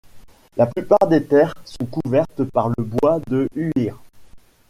La plupart des terres sont couvertes par le bois de Yuir.